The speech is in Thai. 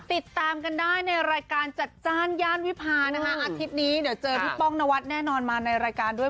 ติดตามกันได้ในรายการจัดจ้านย่านวิพานะคะอาทิตย์นี้เดี๋ยวเจอพี่ป้องนวัดแน่นอนมาในรายการด้วย